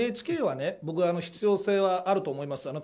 ＮＨＫは必要性はあると思います。